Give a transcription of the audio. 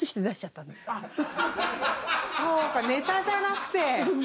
そうかネタじゃなくて。